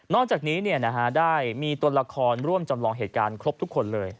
จากนี้ได้มีตัวละครร่วมจำลองเหตุการณ์ครบทุกคนเลย